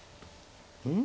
うん？